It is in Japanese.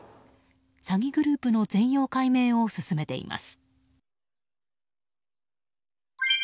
詐欺グループの全容解明を進めています。